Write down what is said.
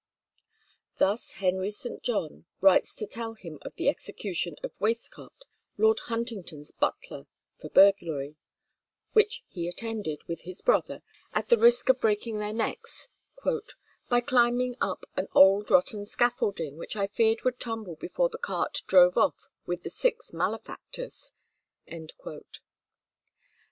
Thus Henry St. John writes to tell him of the execution of Waistcott, Lord Huntington's butler, for burglary: which he attended, with his brother, at the risk of breaking their necks, "by climbing up an old rotten scaffolding, which I feared would tumble before the cart drove off with the six malefactors." St.